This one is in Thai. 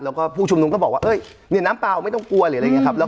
แล้วก็ผู้ชุมนุมก็บอกว่าเอ้ยเนี่ยน้ำเปล่าไม่ต้องกลัวหรืออะไรอย่างนี้ครับ